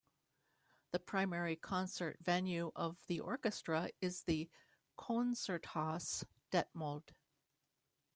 The primary concert venue of the orchestra is the Konzerthaus Detmold.